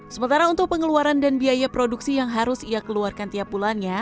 sementara untuk pengeluaran dan biaya produksi yang harus ia keluarkan tiap bulannya